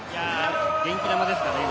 元気玉ですからね。